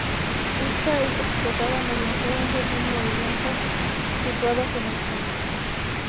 Esta es explotada mediante buen número de granjas situadas en el campo.